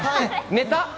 寝た？